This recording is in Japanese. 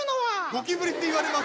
ゴキブリっていわれます。